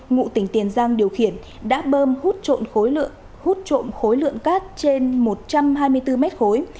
ngụ tỉnh tiền giang điều khiển đã bơm hút trộm khối lượng cát trên một trăm hai mươi bốn mét khối